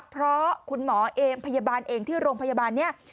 เพราะคุณหมอเองพยาบาลเองที่โรงพยาบาลนี้